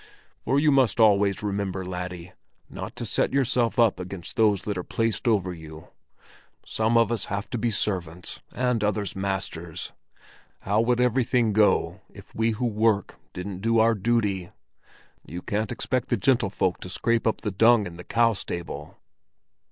For you must always remember, laddie, not to set yourself up against those that are placed over you. Some of us have to be servants and others masters; how would everything go on if we who work didn't do our duty? You can't expect the gentlefolk to scrape up the dung in the cow stable."